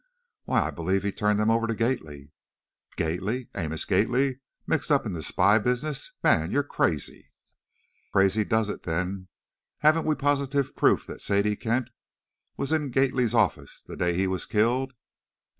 "Why, I believe he turned them over to Gately." "Gately! Amos Gately mixed up in spy business! Man, you're crazy!" "Crazy does it, then! Haven't we positive proof that Sadie Kent was in Gately's office the day he was killed?" "How?"